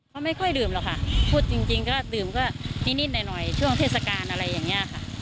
เขาไม่ค่อยดื่มหรอกค่ะพูดจริงก็ดื่มก็นิดหน่อยช่วงเทศกาลอะไรอย่างนี้ค่ะ